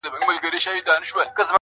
o زه ستا په ځان كي يم ماته پيدا كړه.